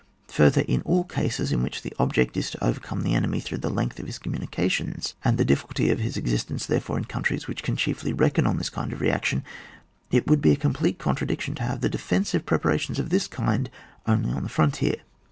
Further, in all cases in which the object is to overcome the enemy through the length of his communica tions, and the difficulty of his existence therefore in countries which can chiefly reckon on this kind of reaction, it would be a complete contradiction to have the defensive preparations of this kind only on the frontier.